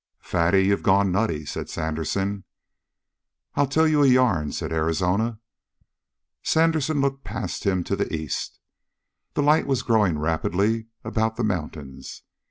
"Fatty, you've gone nutty," said Sandersen. "I'll tell you a yarn," said Arizona. Sandersen looked past him to the east. The light was growing rapidly about the mountains.